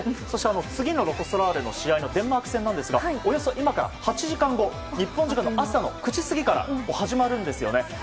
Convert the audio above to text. そして次のロコ・ソラーレの試合のデンマーク戦ですがおよそ今から８時間後日本時間の朝の９時過ぎから始まるんですよね。